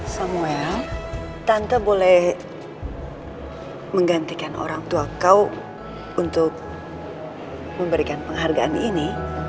samuel tante boleh menggantikan orang tua kau untuk memberikan penghargaan ini